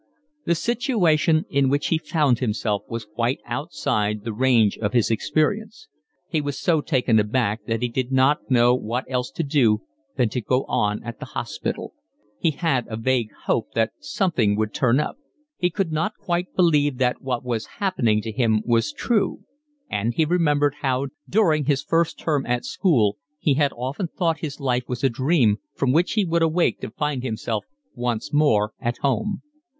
The situation in which he found himself was quite outside the range of his experience. He was so taken aback that he did not know what else to do than to go on at the hospital; he had a vague hope that something would turn up; he could not quite believe that what was happening to him was true; and he remembered how during his first term at school he had often thought his life was a dream from which he would awake to find himself once more at home.